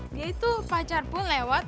dia itu fajar pun lewat